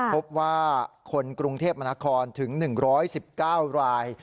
พบว่าคนกรุงเทพมนาคมถึง๑๑๙ราย